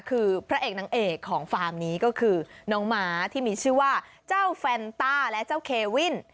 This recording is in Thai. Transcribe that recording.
คือพระเอกนางเอกของฟาร์มนี้ก็คือน้องม้าที่มีชื่อว่าเจ้าแฟนต้าและเจ้าเควิน